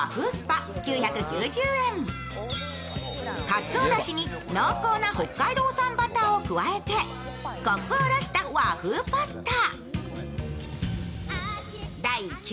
カツオだしに濃厚な北海道産バターを加えてコクを出した和風パスタ。